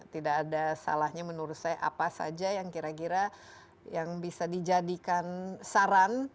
tidak ada salahnya menurut saya apa saja yang kira kira yang bisa dijadikan saran